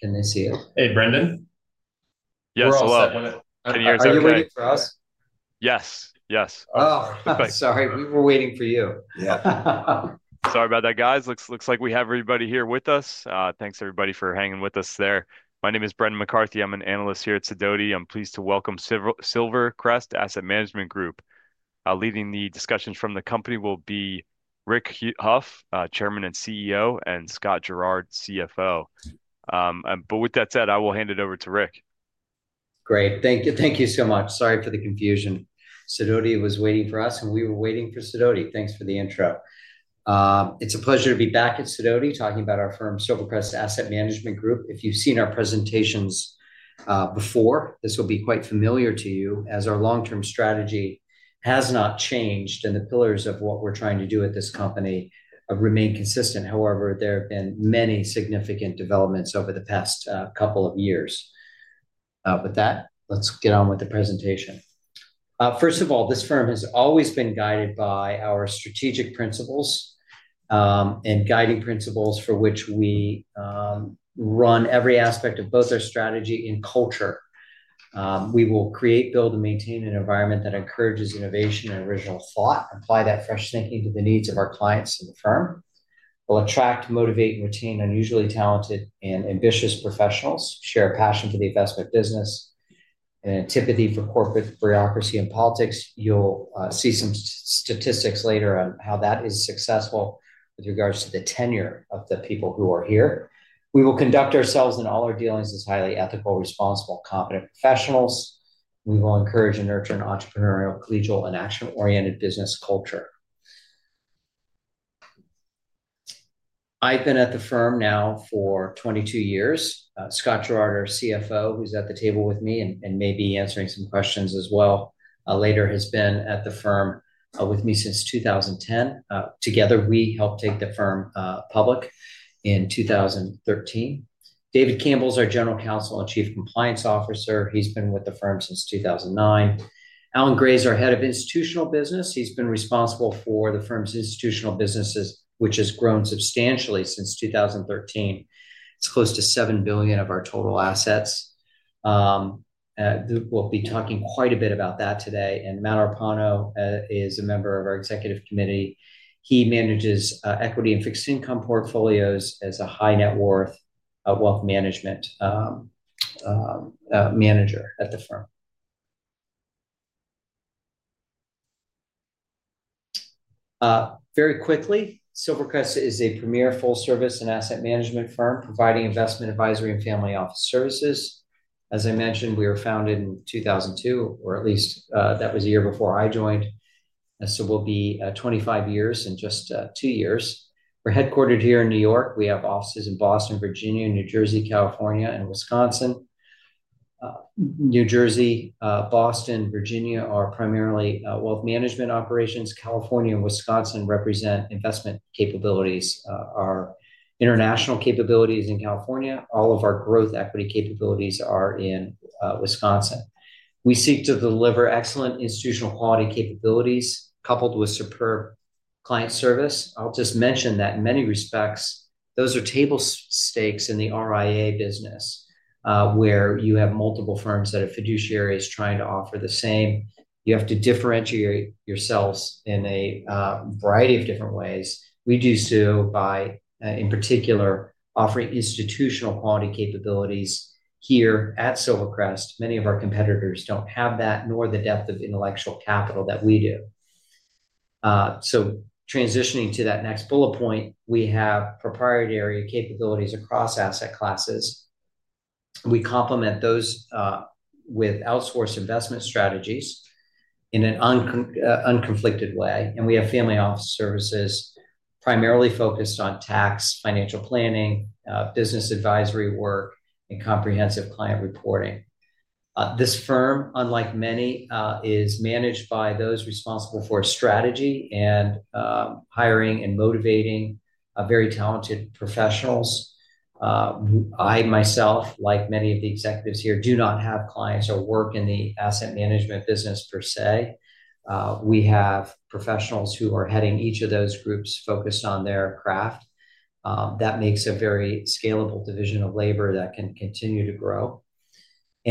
Can they see it? Hey, Brendan? Yes. We're all up. Are you waiting for us? Yes. Yes. Oh, sorry. We were waiting for you. Yeah. Sorry about that, guys. Looks like we have everybody here with us. Thanks, everybody, for hanging with us there. My name is Brendan McCarthy. I'm an analyst here at Sidoti. I'm pleased to welcome Silvercrest Asset Management Group. Leading the discussions from the company will be Rick Hough, Chairman and CEO, and Scott Gerard, CFO. With that said, I will hand it over to Rick. Great. Thank you so much. Sorry for the confusion. Sidoti was waiting for us, and we were waiting for Sidoti. Thanks for the intro. It's a pleasure to be back at Sidoti talking about our firm, Silvercrest Asset Management Group. If you've seen our presentations before, this will be quite familiar to you, as our long-term strategy has not changed, and the pillars of what we're trying to do at this company remain consistent. However, there have been many significant developments over the past couple of years. With that, let's get on with the presentation. First of all, this firm has always been guided by our strategic principles and guiding principles for which we run every aspect of both our strategy and culture. We will create, build, and maintain an environment that encourages innovation and original thought, apply that fresh thinking to the needs of our clients and the firm. We'll attract, motivate, and retain unusually talented and ambitious professionals, share a passion for the investment business, and an antipathy for corporate bureaucracy and politics. You'll see some statistics later on how that is successful with regards to the tenure of the people who are here. We will conduct ourselves and all our dealings as highly ethical, responsible, competent professionals. We will encourage and nurture an entrepreneurial, collegial, and action-oriented business culture. I've been at the firm now for 22 years. Scott Gerard, our CFO, who's at the table with me and may be answering some questions as well later, has been at the firm with me since 2010. Together, we helped take the firm public in 2013. David Campbell's our General Counsel and Chief Compliance Officer. He's been with the firm since 2009. Allen Gray's our head of institutional business. He's been responsible for the firm's institutional businesses, which has grown substantially since 2013. It's close to $7 billion of our total assets. We'll be talking quite a bit about that today. Matt Arpano is a member of our executive committee. He manages equity and fixed income portfolios as a high-net-worth wealth management manager at the firm. Very quickly, Silvercrest is a premier full-service asset management firm providing investment advisory and family office services. As I mentioned, we were founded in 2002, or at least that was a year before I joined. We'll be 25 years in just two years. We're headquartered here in New York. We have offices in Boston, Virginia, New Jersey, California, and Wisconsin. New Jersey, Boston, and Virginia are primarily wealth management operations. California and Wisconsin represent investment capabilities. Our international capabilities in California, all of our growth equity capabilities are in Wisconsin. We seek to deliver excellent institutional quality capabilities coupled with superb client service. I'll just mention that in many respects, those are table stakes in the RIA business where you have multiple firms that are fiduciaries trying to offer the same. You have to differentiate yourselves in a variety of different ways. We do so by, in particular, offering institutional quality capabilities here at Silvercrest. Many of our competitors don't have that, nor the depth of intellectual capital that we do. Transitioning to that next bullet point, we have proprietary capabilities across asset classes. We complement those with outsourced investment strategies in an unconflicted way. We have family office services primarily focused on tax, financial planning, business advisory work, and comprehensive client reporting. This firm, unlike many, is managed by those responsible for strategy and hiring and motivating very talented professionals. I myself, like many of the executives here, do not have clients or work in the asset management business per se. We have professionals who are heading each of those groups focused on their craft. That makes a very scalable division of labor that can continue to grow.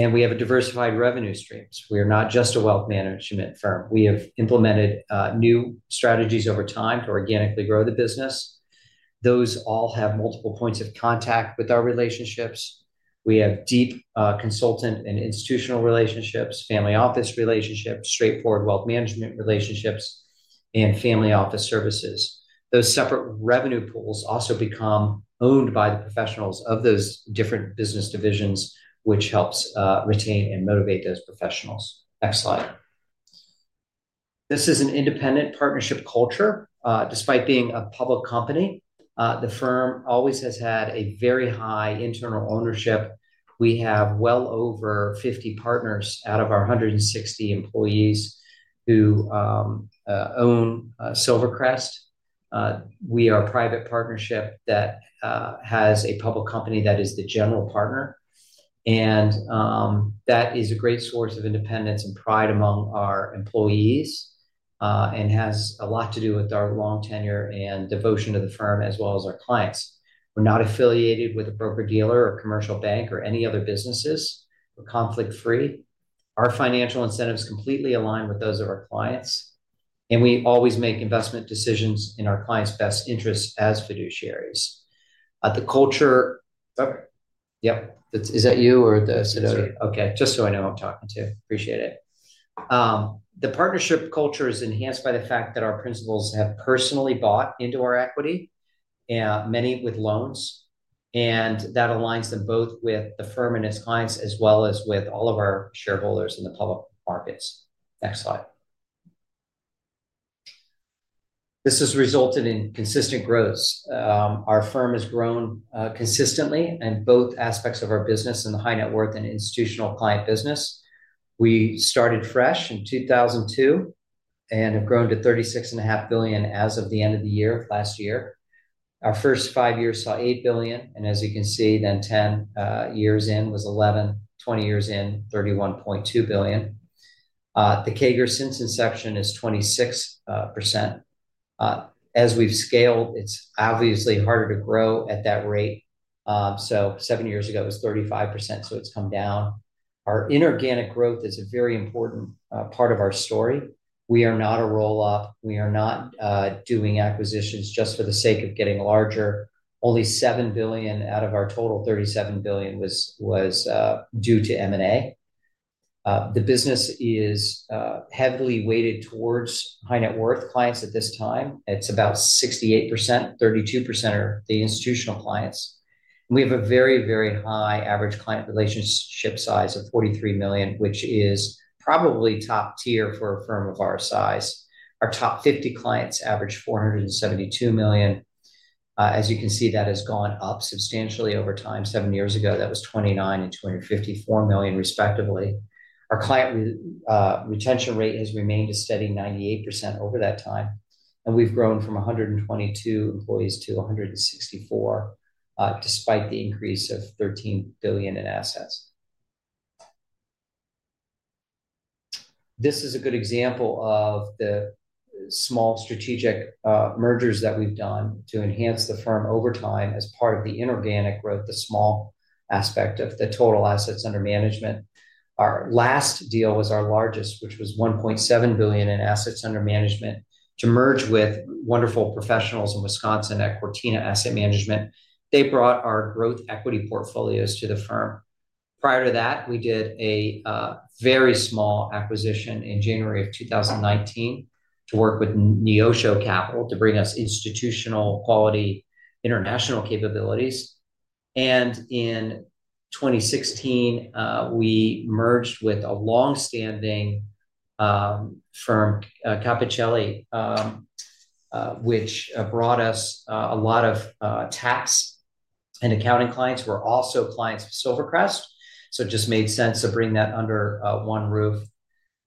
We have diversified revenue streams. We are not just a wealth management firm. We have implemented new strategies over time to organically grow the business. Those all have multiple points of contact with our relationships. We have deep consultant and institutional relationships, family office relationships, straightforward wealth management relationships, and family office services. Those separate revenue pools also become owned by the professionals of those different business divisions, which helps retain and motivate those professionals. Next slide. This is an independent partnership culture. Despite being a public company, the firm always has had a very high internal ownership. We have well over 50 partners out of our 160 employees who own Silvercrest. We are a private partnership that has a public company that is the general partner. That is a great source of independence and pride among our employees and has a lot to do with our long tenure and devotion to the firm as well as our clients. We're not affiliated with a broker-dealer or commercial bank or any other businesses. We're conflict-free. Our financial incentives completely align with those of our clients. We always make investment decisions in our clients' best interests as fiduciaries. The culture. Sorry. Yep. Is that you or the Sidoti? Sidoti. Okay. Just so I know who I'm talking to. Appreciate it. The partnership culture is enhanced by the fact that our principals have personally bought into our equity, many with loans. That aligns them both with the firm and its clients as well as with all of our shareholders in the public markets. Next slide. This has resulted in consistent growth. Our firm has grown consistently in both aspects of our business and the high-net-worth and institutional client business. We started fresh in 2002 and have grown to $36.5 billion as of the end of the year last year. Our first five years saw $8 billion. As you can see, then 10 years in was $11 billion. Twenty years in, $31.2 billion. The CAGR since inception is 26%. As we've scaled, it's obviously harder to grow at that rate. Seven years ago, it was 35%. It has come down. Our inorganic growth is a very important part of our story. We are not a roll-up. We are not doing acquisitions just for the sake of getting larger. Only $7 billion out of our total $37 billion was due to M&A. The business is heavily weighted towards high-net-worth clients at this time. It is about 68%. 32% are the institutional clients. We have a very, very high average client relationship size of $43 million, which is probably top tier for a firm of our size. Our top 50 clients average $472 million. As you can see, that has gone up substantially over time. Seven years ago, that was 29 and $254 million, respectively. Our client retention rate has remained a steady 98% over that time. We have grown from 122 employees to 164 despite the increase of $13 billion in assets. This is a good example of the small strategic mergers that we've done to enhance the firm over time as part of the inorganic growth, the small aspect of the total assets under management. Our last deal was our largest, which was $1.7 billion in assets under management, to merge with wonderful professionals in Wisconsin at Cortina Asset Management. They brought our growth equity portfolios to the firm. Prior to that, we did a very small acquisition in January of 2019 to work with Neosho Capital to bring us institutional quality international capabilities. In 2016, we merged with a long-standing firm, Cappuccelli, which brought us a lot of tax and accounting clients. We're also clients of Silvercrest. It just made sense to bring that under one roof.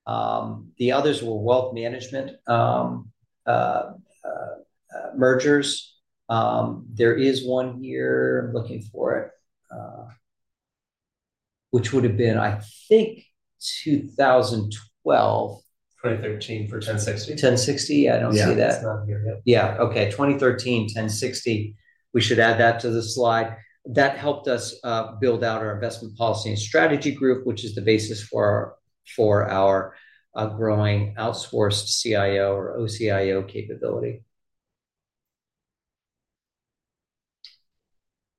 The others were wealth management mergers. There is one here. I'm looking for it, which would have been, I think, 2012. 2013 for 1060. 1060? I don't see that. Yeah. It's not here. Yeah. Okay. 2013, 1060. We should add that to the slide. That helped us build out our investment policy and strategy group, which is the basis for our growing outsourced CIO or OCIO capability.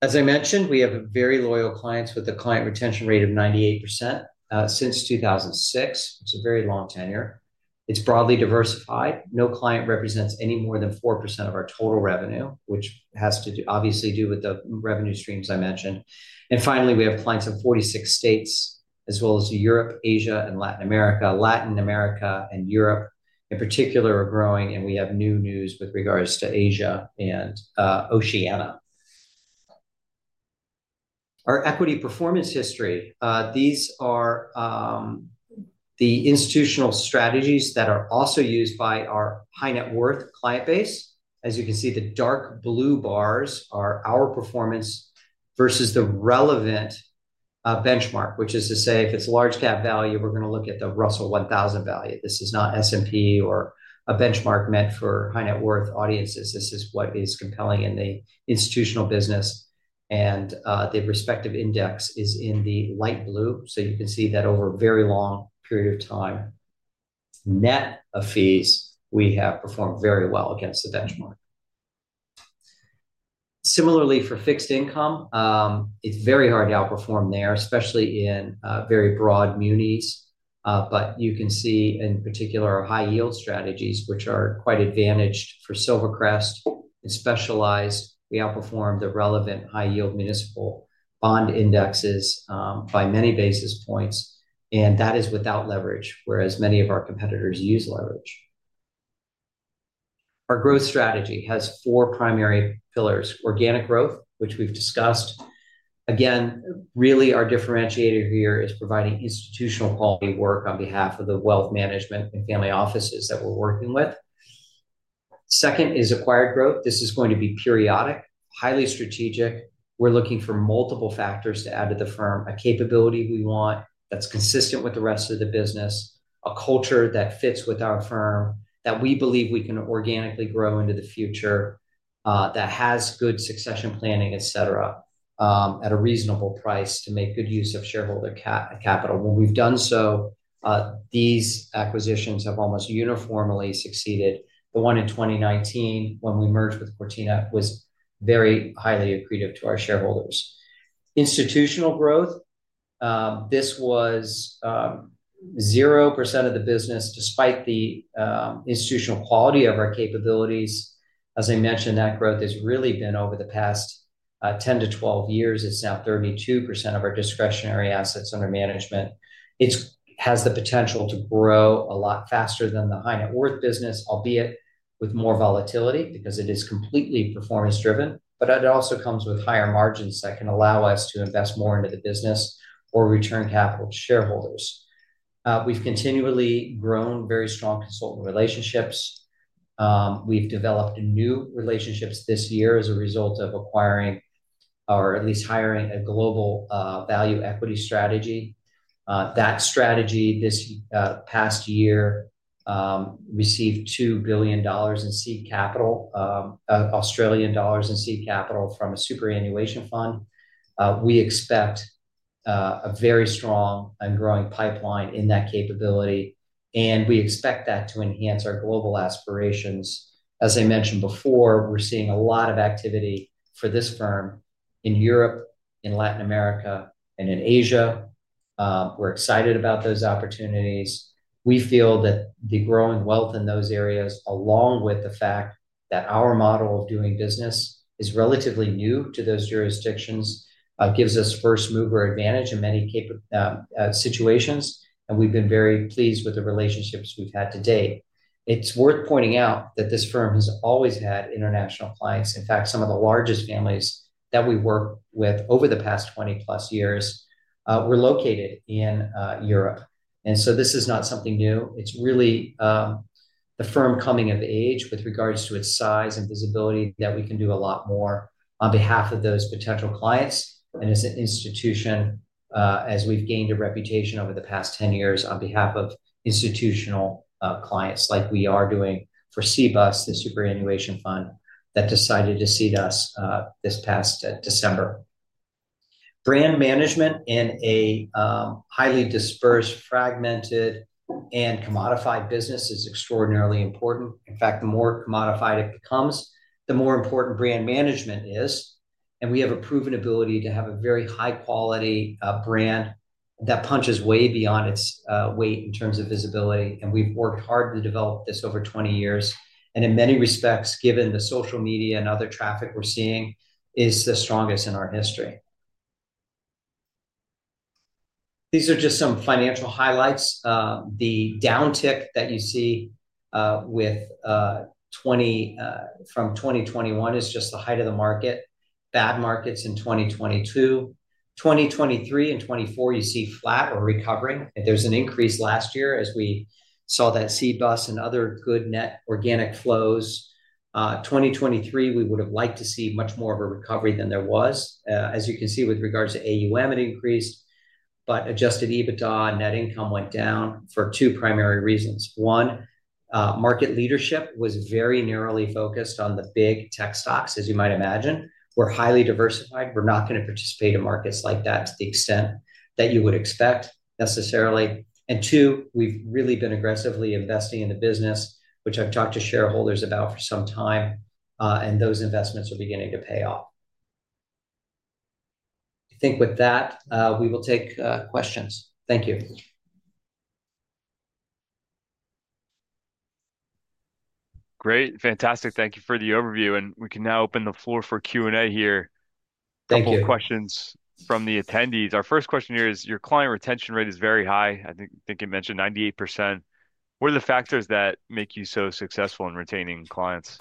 As I mentioned, we have very loyal clients with a client retention rate of 98% since 2006. It's a very long tenure. It's broadly diversified. No client represents any more than 4% of our total revenue, which has to obviously do with the revenue streams I mentioned. Finally, we have clients in 46 states as well as Europe, Asia, and Latin America. Latin America and Europe, in particular, are growing. We have new news with regards to Asia and Oceania. Our equity performance history. These are the institutional strategies that are also used by our high-net-worth client base. As you can see, the dark blue bars are our performance versus the relevant benchmark, which is to say, if it's large-cap value, we're going to look at the Russell 1000 value. This is not S&P or a benchmark meant for high-net-worth audiences. This is what is compelling in the institutional business. The respective index is in the light blue. You can see that over a very long period of time, net of fees, we have performed very well against the benchmark. Similarly, for fixed income, it's very hard to outperform there, especially in very broad munis. You can see, in particular, our high-yield strategies, which are quite advantaged for Silvercrest and specialized. We outperform the relevant high-yield municipal bond indexes by many basis points. That is without leverage, whereas many of our competitors use leverage. Our growth strategy has four primary pillars: organic growth, which we've discussed. Again, really, our differentiator here is providing institutional quality work on behalf of the wealth management and family offices that we're working with. Second is acquired growth. This is going to be periodic, highly strategic. We're looking for multiple factors to add to the firm: a capability we want that's consistent with the rest of the business, a culture that fits with our firm, that we believe we can organically grow into the future, that has good succession planning, etc., at a reasonable price to make good use of shareholder capital. When we've done so, these acquisitions have almost uniformly succeeded. The one in 2019, when we merged with Cortina, was very highly accretive to our shareholders. Institutional growth. This was 0% of the business despite the institutional quality of our capabilities. As I mentioned, that growth has really been over the past 10 to 12 years. It's now 32% of our discretionary assets under management. It has the potential to grow a lot faster than the high-net-worth business, albeit with more volatility because it is completely performance-driven. It also comes with higher margins that can allow us to invest more into the business or return capital to shareholders. We've continually grown very strong consultant relationships. We've developed new relationships this year as a result of acquiring or at least hiring a global value equity strategy. That strategy, this past year, received $2 billion in seed capital from a superannuation fund. We expect a very strong and growing pipeline in that capability. We expect that to enhance our global aspirations. As I mentioned before, we're seeing a lot of activity for this firm in Europe, in Latin America, and in Asia. We're excited about those opportunities. We feel that the growing wealth in those areas, along with the fact that our model of doing business is relatively new to those jurisdictions, gives us first-mover advantage in many situations. We have been very pleased with the relationships we've had to date. It's worth pointing out that this firm has always had international clients. In fact, some of the largest families that we work with over the past 20-plus years were located in Europe. This is not something new. It's really the firm coming of age with regards to its size and visibility that we can do a lot more on behalf of those potential clients and as an institution, as we've gained a reputation over the past 10 years on behalf of institutional clients, like we are doing for Cbus Super, the superannuation fund that decided to seed us this past December. Brand management in a highly dispersed, fragmented, and commodified business is extraordinarily important. In fact, the more commodified it becomes, the more important brand management is. We have a proven ability to have a very high-quality brand that punches way beyond its weight in terms of visibility. We have worked hard to develop this over 20 years. In many respects, given the social media and other traffic we're seeing, it is the strongest in our history. These are just some financial highlights. The downtick that you see from 2021 is just the height of the market. Bad markets in 2022. 2023 and 2024, you see flat or recovering. There is an increase last year as we saw that Cbus and other good net organic flows. 2023, we would have liked to see much more of a recovery than there was. As you can see, with regards to AUM, it increased. Adjusted EBITDA net income went down for two primary reasons. One, market leadership was very narrowly focused on the big tech stocks, as you might imagine. We are highly diversified. We are not going to participate in markets like that to the extent that you would expect necessarily. Two, we have really been aggressively investing in the business, which I have talked to shareholders about for some time. Those investments are beginning to pay off. I think with that, we will take questions. Thank you. Great. Fantastic. Thank you for the overview. We can now open the floor for Q&A here. Thank you. A couple of questions from the attendees. Our first question here is, your client retention rate is very high. I think you mentioned 98%. What are the factors that make you so successful in retaining clients?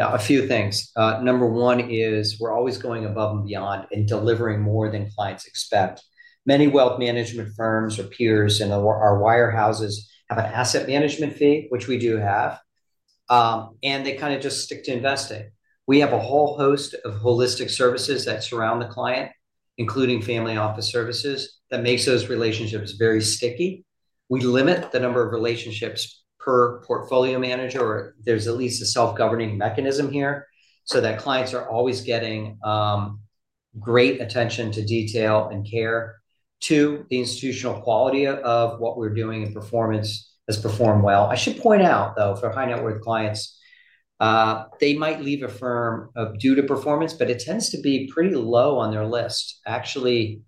Yeah. A few things. Number one is we're always going above and beyond and delivering more than clients expect. Many wealth management firms or peers in our wirehouses have an asset management fee, which we do have. They kind of just stick to investing. We have a whole host of holistic services that surround the client, including family office services, that makes those relationships very sticky. We limit the number of relationships per portfolio manager, or there's at least a self-governing mechanism here so that clients are always getting great attention to detail and care. Two, the institutional quality of what we're doing and performance has performed well. I should point out, though, for high-net-worth clients, they might leave a firm due to performance, but it tends to be pretty low on their list. Actually,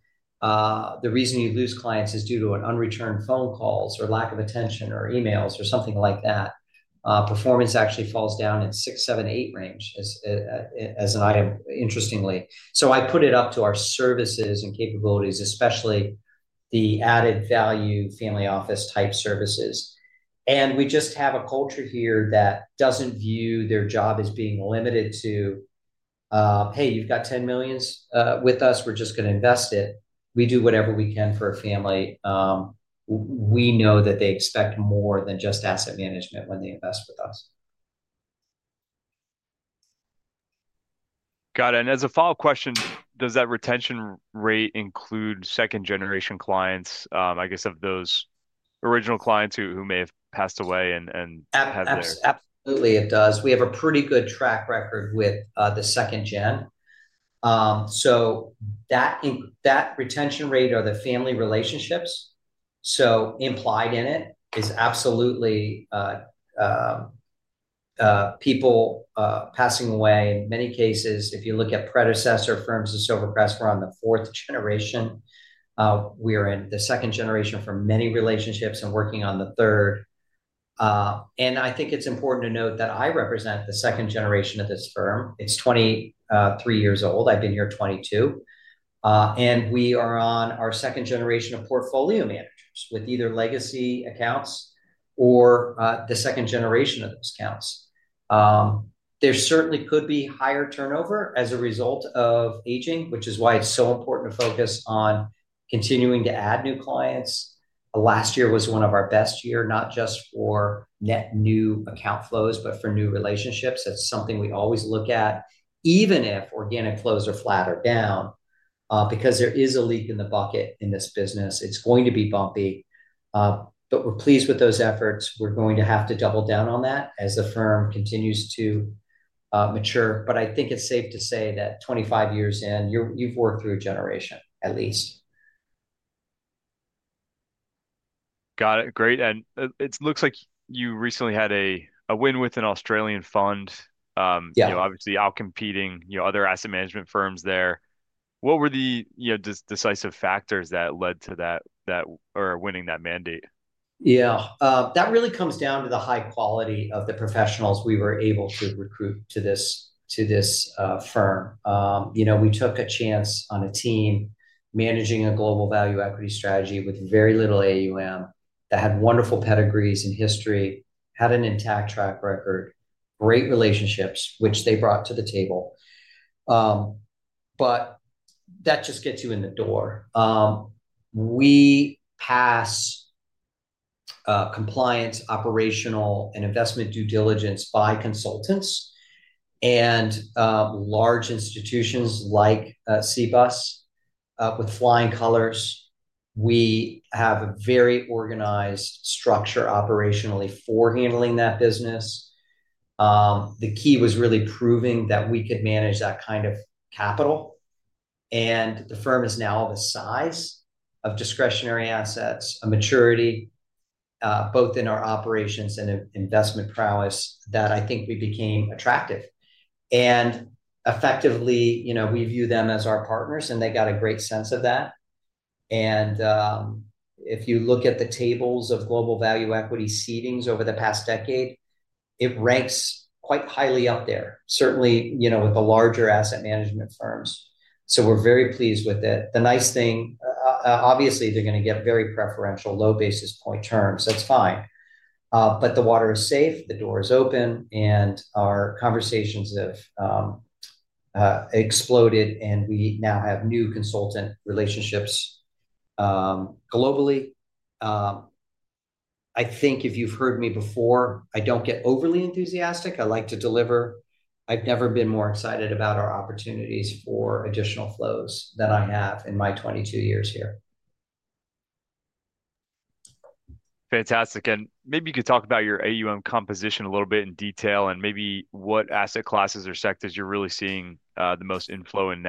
the reason you lose clients is due to unreturned phone calls or lack of attention or emails or something like that. Performance actually falls down in six-seven-eight range as an item, interestingly. I put it up to our services and capabilities, especially the added value family office type services. We just have a culture here that doesn't view their job as being limited to, "Hey, you've got $10 million with us. We're just going to invest it." We do whatever we can for a family. We know that they expect more than just asset management when they invest with us. Got it. As a follow-up question, does that retention rate include second-generation clients, I guess, of those original clients who may have passed away and have their? Absolutely, it does. We have a pretty good track record with the second-gen. So that retention rate or the family relationships implied in it is absolutely people passing away. In many cases, if you look at predecessor firms of Silvercrest, we're on the fourth generation. We are in the second-generation for many relationships and working on the third. I think it's important to note that I represent the second-generation of this firm. It's 23 years old. I've been here 22. We are on our second-generation of portfolio managers with either legacy accounts or the second-generation of those accounts. There certainly could be higher turnover as a result of aging, which is why it's so important to focus on continuing to add new clients. Last year was one of our best years, not just for net new account flows, but for new relationships. That's something we always look at, even if organic flows are flat or down, because there is a leak in the bucket in this business. It's going to be bumpy. We are pleased with those efforts. We are going to have to double down on that as the firm continues to mature. I think it's safe to say that 25 years in, you've worked through a generation, at least. Got it. Great. It looks like you recently had a win with an Australian fund, obviously outcompeting other asset management firms there. What were the decisive factors that led to that or winning that mandate? Yeah. That really comes down to the high quality of the professionals we were able to recruit to this firm. We took a chance on a team managing a global value equity strategy with very little AUM that had wonderful pedigrees in history, had an intact track record, great relationships, which they brought to the table. That just gets you in the door. We pass compliance, operational, and investment due diligence by consultants. Large institutions like Cbus Super with flying colors. We have a very organized structure operationally for handling that business. The key was really proving that we could manage that kind of capital. The firm is now of a size of discretionary assets, a maturity, both in our operations and investment prowess that I think we became attractive. Effectively, we view them as our partners, and they got a great sense of that. If you look at the tables of global value equity seedings over the past decade, it ranks quite highly up there, certainly with the larger asset management firms. We are very pleased with it. The nice thing, obviously, they are going to get very preferential low basis point terms. That is fine. The water is safe. The door is open. Our conversations have exploded, and we now have new consultant relationships globally. I think if you have heard me before, I do not get overly enthusiastic. I like to deliver. I have never been more excited about our opportunities for additional flows than I have in my 22 years here. Fantastic. Maybe you could talk about your AUM composition a little bit in detail and maybe what asset classes or sectors you're really seeing the most inflow in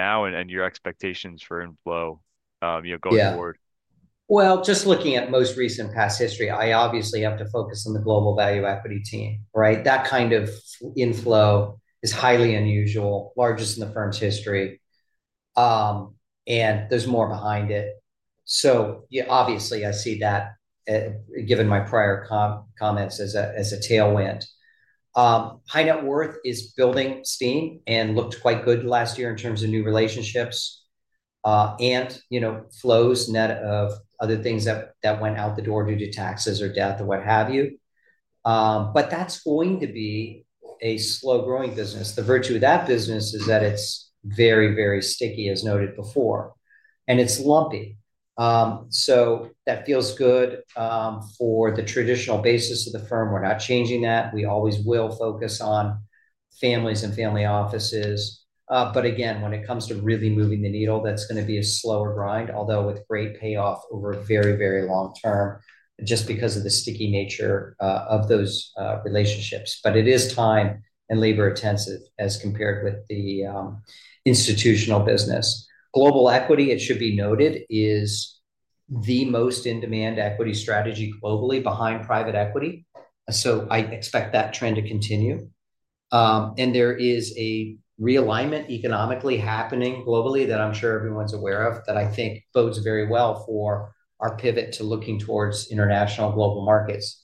now and your expectations for inflow going forward. Yeah. Just looking at most recent past history, I obviously have to focus on the global value equity team, right? That kind of inflow is highly unusual, largest in the firm's history. There's more behind it. I see that given my prior comments as a tailwind. High-net-worth is building steam and looked quite good last year in terms of new relationships and flows net of other things that went out the door due to taxes or death or what have you. That's going to be a slow-growing business. The virtue of that business is that it's very, very sticky, as noted before. It's lumpy. That feels good for the traditional basis of the firm. We're not changing that. We always will focus on families and family offices. Again, when it comes to really moving the needle, that's going to be a slower grind, although with great payoff over a very, very long term just because of the sticky nature of those relationships. It is time and labor-intensive as compared with the institutional business. Global equity, it should be noted, is the most in-demand equity strategy globally behind private equity. I expect that trend to continue. There is a realignment economically happening globally that I'm sure everyone's aware of that I think bodes very well for our pivot to looking towards international global markets.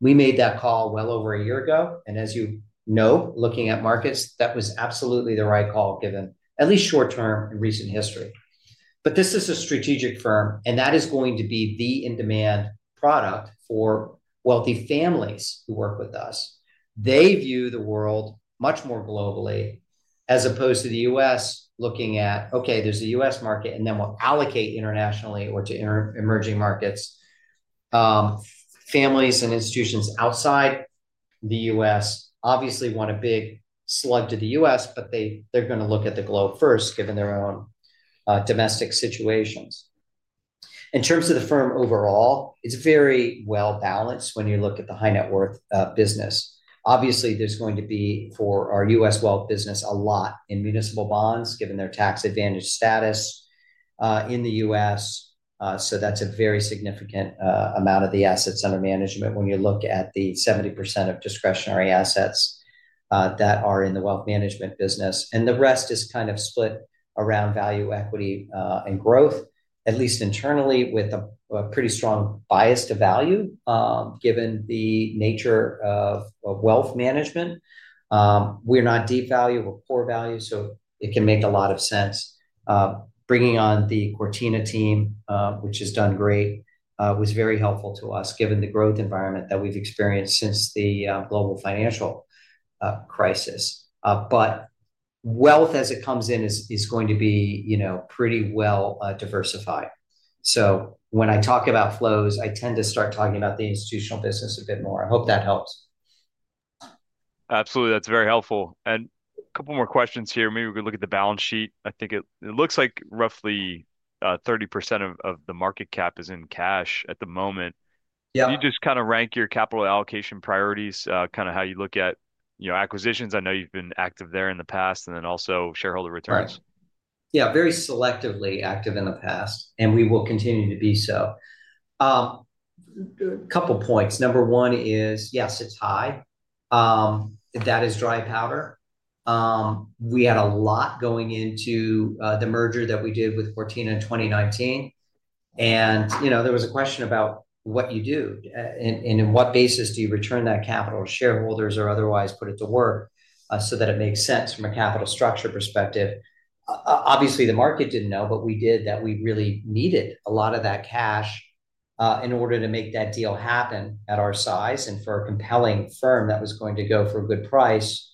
We made that call well over a year ago. As you know, looking at markets, that was absolutely the right call given at least short-term and recent history. This is a strategic firm, and that is going to be the in-demand product for wealthy families who work with us. They view the world much more globally as opposed to the U.S. looking at, "Okay, there's a U.S. market, and then we'll allocate internationally or to emerging markets." Families and institutions outside the U.S. obviously want a big slug to the U.S., but they're going to look at the globe first given their own domestic situations. In terms of the firm overall, it's very well balanced when you look at the high-net-worth business. Obviously, there's going to be for our U.S. wealth business a lot in municipal bonds given their tax-advantaged status in the U.S. That's a very significant amount of the assets under management when you look at the 70% of discretionary assets that are in the wealth management business. The rest is kind of split around value equity and growth, at least internally, with a pretty strong bias to value given the nature of wealth management. We're not deep value. We're poor value. It can make a lot of sense. Bringing on the Cortina team, which has done great, was very helpful to us given the growth environment that we've experienced since the global financial crisis. Wealth, as it comes in, is going to be pretty well diversified. When I talk about flows, I tend to start talking about the institutional business a bit more. I hope that helps. Absolutely. That's very helpful. A couple more questions here. Maybe we could look at the balance sheet. I think it looks like roughly 30% of the market cap is in cash at the moment. Can you just kind of rank your capital allocation priorities, kind of how you look at acquisitions? I know you've been active there in the past and then also shareholder returns. Right. Yeah. Very selectively active in the past, and we will continue to be so. A couple of points. Number one is, yes, it's high. That is dry powder. We had a lot going into the merger that we did with Cortina in 2019. There was a question about what you do and on what basis do you return that capital to shareholders or otherwise put it to work so that it makes sense from a capital structure perspective. Obviously, the market didn't know, but we did that we really needed a lot of that cash in order to make that deal happen at our size and for a compelling firm that was going to go for a good price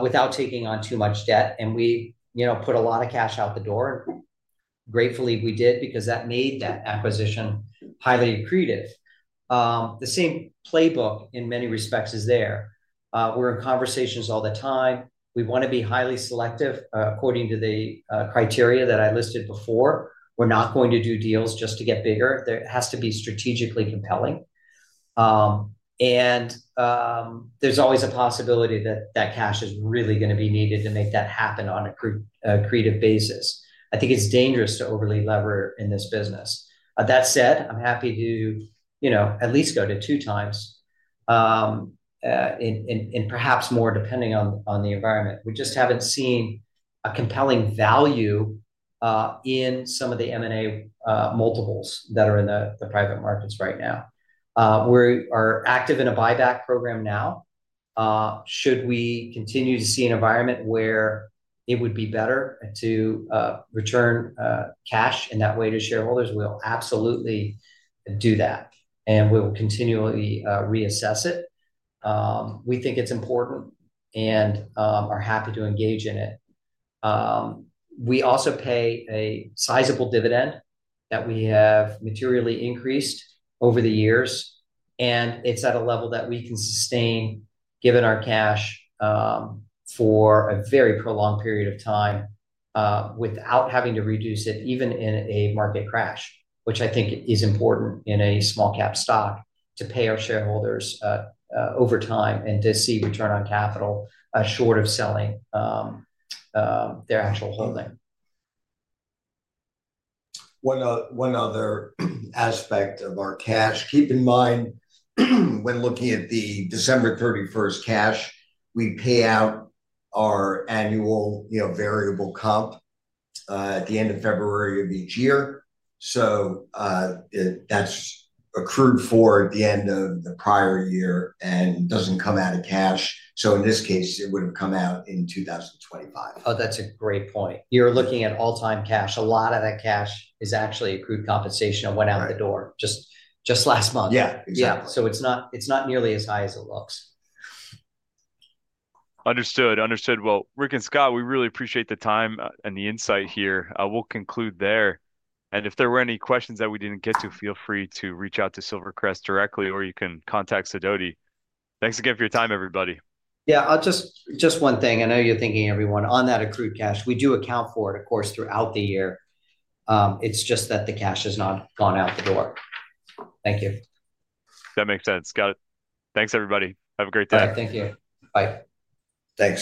without taking on too much debt. We put a lot of cash out the door. Gratefully, we did because that made that acquisition highly accretive. The same playbook in many respects is there. We're in conversations all the time. We want to be highly selective according to the criteria that I listed before. We're not going to do deals just to get bigger. There has to be strategically compelling. There is always a possibility that that cash is really going to be needed to make that happen on a creative basis. I think it's dangerous to overly lever in this business. That said, I'm happy to at least go to two times and perhaps more depending on the environment. We just haven't seen a compelling value in some of the M&A multiples that are in the private markets right now. We are active in a buyback program now. Should we continue to see an environment where it would be better to return cash in that way to shareholders, we'll absolutely do that. We will continually reassess it. We think it is important and are happy to engage in it. We also pay a sizable dividend that we have materially increased over the years. It is at a level that we can sustain given our cash for a very prolonged period of time without having to reduce it even in a market crash, which I think is important in a small-cap stock to pay our shareholders over time and to see return on capital short of selling their actual holding. One other aspect of our cash. Keep in mind when looking at the December 31 cash, we pay out our annual variable comp at the end of February of each year. That is accrued for at the end of the prior year and does not come out of cash. In this case, it would have come out in 2025. Oh, that's a great point. You're looking at all-time cash. A lot of that cash is actually accrued compensation that went out the door just last month. Yeah. Exactly. Yeah. It's not nearly as high as it looks. Understood. Understood. Rick and Scott, we really appreciate the time and the insight here. We'll conclude there. If there were any questions that we didn't get to, feel free to reach out to Silvercrest directly, or you can contact Sidoti. Thanks again for your time, everybody. Yeah. Just one thing. I know you're thinking, everyone, on that accrued cash. We do account for it, of course, throughout the year. It's just that the cash has not gone out the door. Thank you. That makes sense. Got it. Thanks, everybody. Have a great day. All right. Thank you. Bye. Thanks.